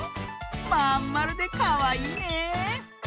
まんまるでかわいいね！